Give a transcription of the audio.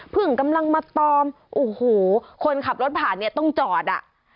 กำลังมาตอมโอ้โหคนขับรถผ่านเนี่ยต้องจอดอ่ะ